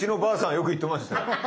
よく言ってましたよ。